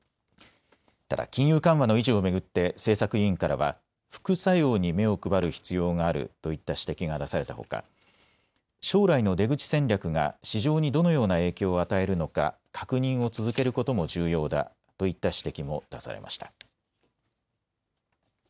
ただ金融緩和の維持を巡って政策委員からは副作用に目を配る必要があるといった指摘が出されたほか、将来の出口戦略が市場にどのような影響を与えるのか確認を続けることも重要だといった指摘も出されました。